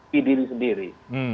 pi diri sendiri